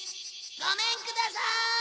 ごめんください！